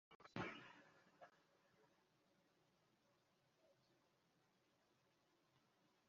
Mu Musandura yaraharindiye Arinduza Umugoyi.